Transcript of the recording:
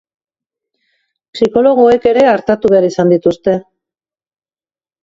Psikologoek ere artatu behar izan dituzte.